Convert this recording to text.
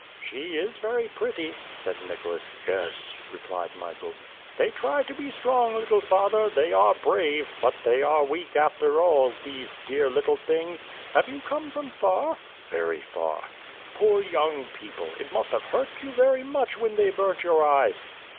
"She is very pretty," said Nicholas. "Yes," replied Michael. "They try to be strong, little father, they are brave, but they are weak after all, these dear little things! Have you come from far." "Very far." "Poor young people! It must have hurt you very much when they burnt your eyes!"